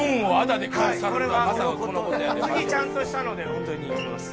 次ちゃんとしたのでホントに呼びます。